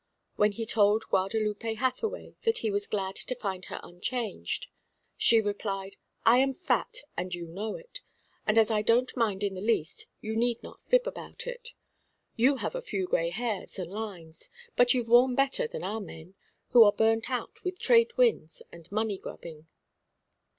When he told Guadalupe Hathaway that he was glad to find her unchanged, she replied: "I am fat, and you know it. And as I don't mind in the least, you need not fib about it. You have a few grey hairs and lines; but you've worn better than our men, who are burnt out with trade winds and money grubbing."